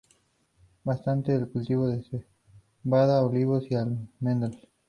Destacan el cultivo de cebada, olivos y almendros.